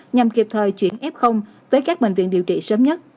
nhằm kịp thời chuyển f tới các bệnh viện điều trị sớm nhất